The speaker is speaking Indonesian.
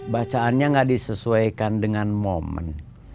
bacaannya gak disesuaikan dengan momen